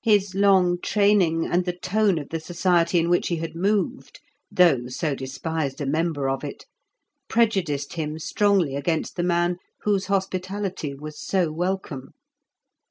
His long training and the tone of the society in which he had moved (though so despised a member of it) prejudiced him strongly against the man whose hospitality was so welcome.